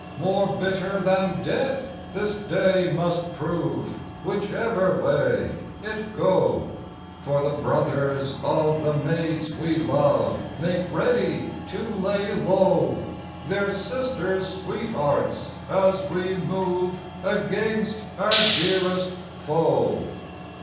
More bitter than death this day must prove Whichever way it go, 156 Charles I For the brothers of the maids we love Make ready to lay low Their sisters' sweethearts, as we move Against our dearest foe.